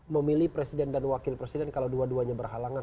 memilih presiden dan wakil presiden kalau dua duanya berhalangan